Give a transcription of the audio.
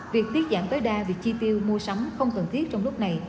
việc tiết giảm tối đa việc chi tiêu mua sắm không cần thiết trong lúc này